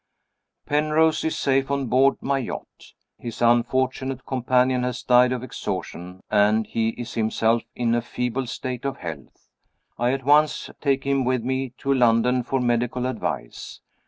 Penrose is safe on board my yacht. His unfortunate companion has died of exhaustion, and he is himself in a feeble state of health. I at once take him with me to London for medical advice.